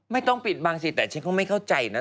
ไม่ต้องปิดบังสิแต่ฉันก็ไม่เข้าใจนะ